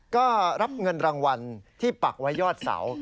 ก็รับเงินรางวัลที่ปักไว้ยอดเสา